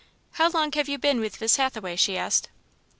"How long have you been with Miss Hathaway?" she asked.